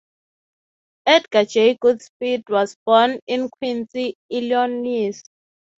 Edgar J. Goodspeed was born in Quincy, Illinois.